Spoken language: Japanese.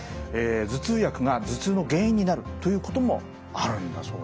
頭痛薬が頭痛の原因になるということもあるんだそうなんですね。